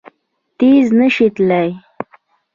تېز نه شي تلای!